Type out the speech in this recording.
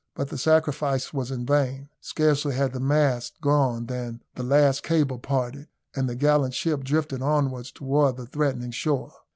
But the sacrifice was in vain; scarcely had the masts gone than the last cable parted, and the gallant ship drifted onwards towards the threatening shore.